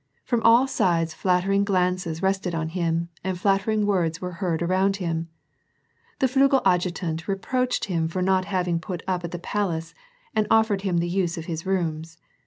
From all sides flattering glances rested on him and flattering words were heard around him. The Flugel adjutant reproached him for not hav ing put up at the palace and offered him the use of his rooms.